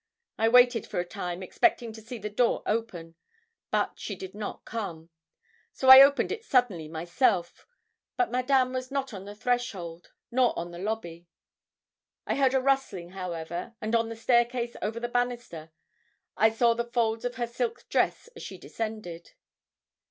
I waited for a time, expecting to see the door open, but she did not come; so I opened it suddenly myself, but Madame was not on the threshold nor on the lobby. I heard a rustling, however, and on the staircase over the banister I saw the folds of her silk dress as she descended.